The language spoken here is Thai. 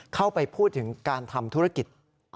เข้าไปพูดถึงการทำธุรกิจ